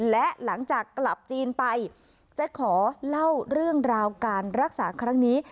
และหลังจากกลับจีนไปจะขอเล่าเรื่องราวการรักษาครั้งนี้